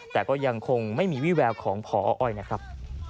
แต่ก็ยังคงไม่มีวิแววของพออ้อยนะครับ